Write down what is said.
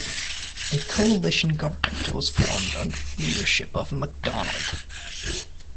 A coalition government was formed under the leadership of Macdonald.